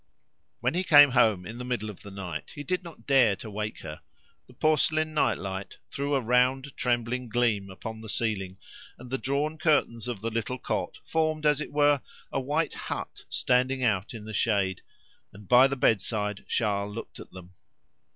When he came home in the middle of the night, he did not dare to wake her. The porcelain night light threw a round trembling gleam upon the ceiling, and the drawn curtains of the little cot formed as it were a white hut standing out in the shade, and by the bedside Charles looked at them.